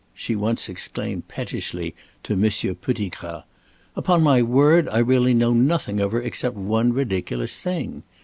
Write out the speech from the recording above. she once exclaimed pettishly to Monsieur Pettigrat. "Upon my word, I really know nothing of her except one ridiculous thing.